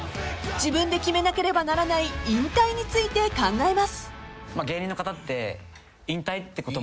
［自分で決めなければならない引退について考えます］